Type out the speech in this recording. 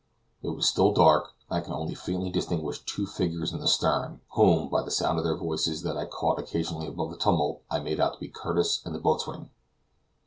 It was still dark, and I could only faintly distinguish two figures in the stern, whom, by the sound of their voices, that I caught occasionally above the tumult, I made out to be Curtis and the boatswain.